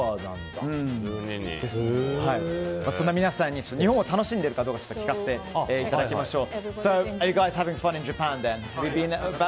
そんな皆さんに日本を楽しんでいるかどうか聞かせていただきましょう。